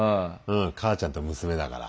母ちゃんと娘だから。